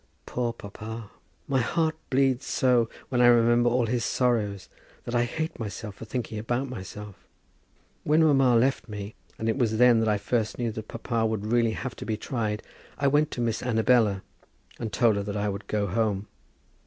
Poor papa! My heart bleeds so when I remember all his sorrows, that I hate myself for thinking about myself. When mamma left me, and it was then I first knew that papa would really have to be tried, I went to Miss Annabella, and told her that I would go home.